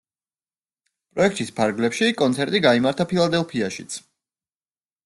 პროექტის ფარგლებში, კონცერტი გაიმართა ფილადელფიაშიც.